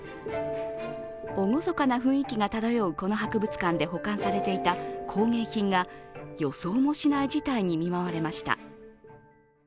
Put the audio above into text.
厳かな雰囲気が漂うこの博物館で保管されていた工芸品が予想もしない事態に見舞われました。